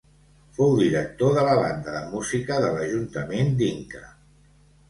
Fou director de la Banda de Música de l'Ajuntament d'Inca.